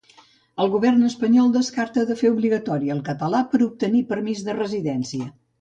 El govern espanyol descarta de fer obligatori el català per obtenir permís de residència